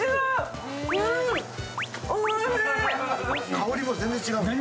香りが全然違う！